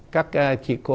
các chị cô